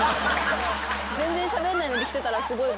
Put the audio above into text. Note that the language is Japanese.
全然しゃべんないのに着てたらすごい。